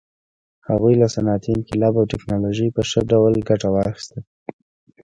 هغوی له صنعتي انقلاب او ټکنالوژۍ په ښه ډول ګټه واخیسته.